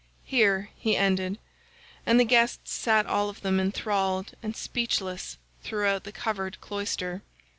Here he ended, and the guests sat all of them enthralled and speechless throughout the covered cloister.